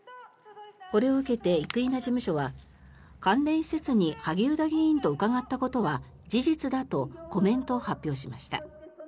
これを受けて生稲事務所は関連団体に萩生田議員と伺ったことは事実だとコメントを発表しました。